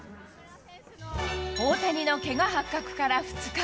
大谷のけが発覚から２日。